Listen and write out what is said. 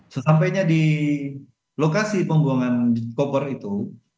sesampainya di lokasi pembuangan koper itu